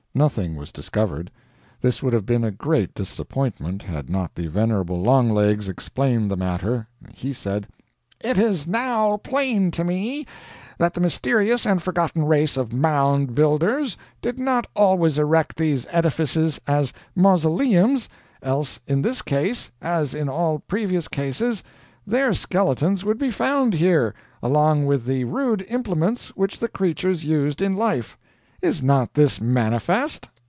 Nothing was discovered. This would have been a great disappointment, had not the venerable Longlegs explained the matter. He said: "It is now plain to me that the mysterious and forgotten race of Mound Builders did not always erect these edifices as mausoleums, else in this case, as in all previous cases, their skeletons would be found here, along with the rude implements which the creatures used in life. Is not this manifest?"